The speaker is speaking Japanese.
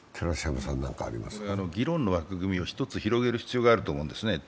議論の枠組みを一つ広げる必要があると思うんです。